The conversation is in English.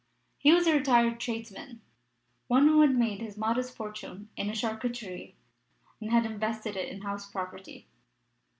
He was a retired tradesman one who had made his modest fortune in a charcuterie and had invested it in house property.